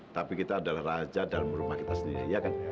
tapi kita adalah raja dalam rumah kita sendiri ya kan